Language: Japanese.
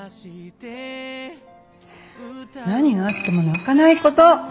何があっても泣かないこと。